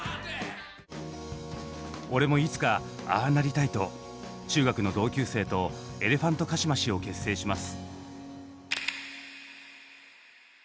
俺もいつかああなりたいと中学の同級生とエレファントカシマシを結成します。